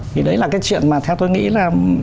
thì đấy là cái chuyện mà theo tôi nghĩ là